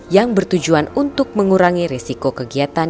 yang bertujuan untuk mengurangi risiko kegiatan